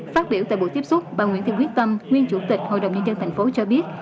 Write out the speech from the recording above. phát biểu tại buổi tiếp xúc bà nguyễn thiên quyết tâm nguyên chủ tịch hội đồng nhân dân thành phố cho biết